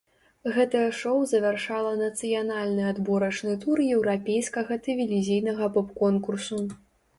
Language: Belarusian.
Гэтае шоу завяршала нацыянальны адборачны тур еўрапейскага тэлевізійнага поп-конкурсу.